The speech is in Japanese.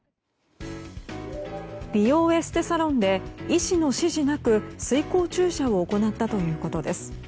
美容エステサロンで医師の指示なく水光注射を行ったということです。